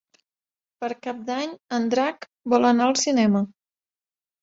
Per Cap d'Any en Drac vol anar al cinema.